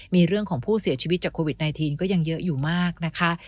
มีเรื่องของผู้เสียชีวิตจากโควิด๑๙ก็ยังเยอะอยู่มากนะคะ